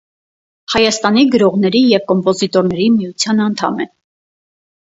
Հայաստանի գրողների և կոմպոզիտորների միության անդամ է։